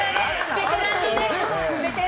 ベテランのね。